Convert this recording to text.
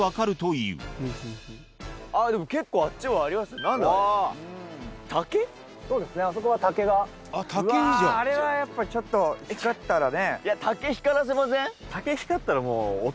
うわあれはやっぱちょっと光ったらね。